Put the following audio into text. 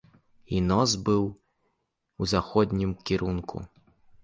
І нос быў у заходнім кірунку.